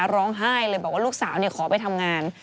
ร้องไห้เลยบอกว่าลูกสาวขอไปทำงาน